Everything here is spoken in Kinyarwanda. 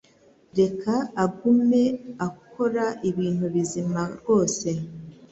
reka agumeakora ibintu bizima rwose